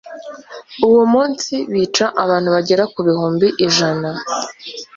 uwo munsi bica abantu bagera ku bihumbi ijana